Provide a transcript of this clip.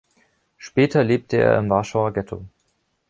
Später lebte er im Warschauer Ghetto.